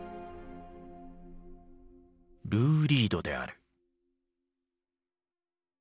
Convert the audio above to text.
ルー・リードである。